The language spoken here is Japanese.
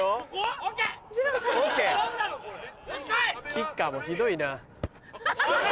キッカーもひどいな。